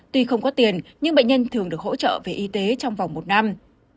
tuy không có tiền nhưng bệnh nhân thường được hỗ trợ về y tế trong vòng một năm